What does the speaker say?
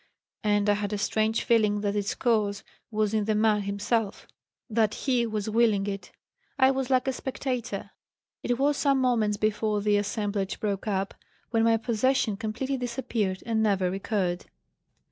And I had a strange feeling that its cause was in the man himself; that he was willing it; I was like a spectator. It was some moments before the assemblage broke up, when my 'possession' completely disappeared and never recurred.